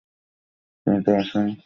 তিনি তাদের আসনটি বহন করতে দিয়েছিলেন।